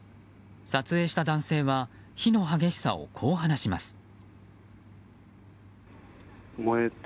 撮影した男性は火の激しさをこう話します。